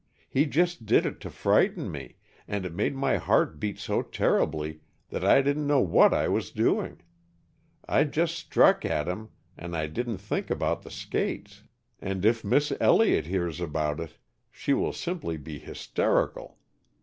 He just did it to frighten me, and it made my heart beat so terribly that I didn't know what I was doing. I just struck at him and I didn't think about the skates, and if Miss Elliott hears about it she will simply be hysterical.